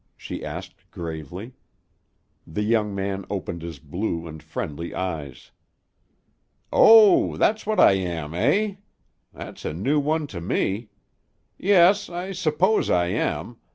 she asked gravely. The young man opened his blue and friendly eyes. "Oh, that's what I am, eh? That's a new one to me. Yes. I suppose I am.